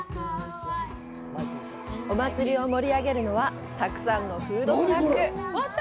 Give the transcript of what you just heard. お祭りを盛り上げるのは、たくさんのフードトラック。